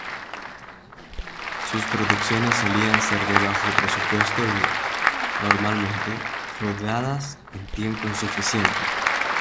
Sus producciones solían ser de bajo presupuesto y, normalmente, rodadas en tiempo insuficiente.